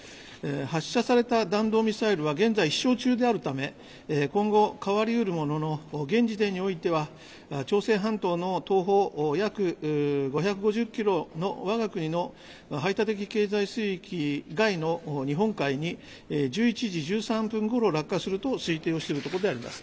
発射された弾道ミサイルは現在、飛しょう中であるため今後、変わりうるものの現時点においては朝鮮半島の東方約５５０キロのわが国の排他的経済水域外の日本海に１１時１３分ごろ落下すると推定をしているところであります。